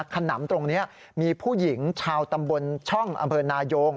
ขนำตรงนี้มีผู้หญิงชาวตำบลช่องอำเภอนายง